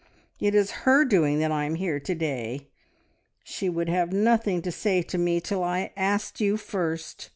It is her doing that I am here to day. She would have nothing to say to me till I had asked you first.